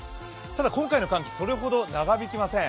ただ今回の寒気それほど長引きません。